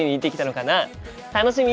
楽しみ！